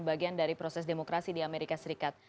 bagian dari proses demokrasi di amerika serikat